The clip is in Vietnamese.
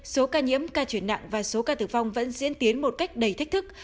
số ca nhiễm ca chuyển nặng và số ca tử vong vẫn diễn tiến một cách đầy thách thức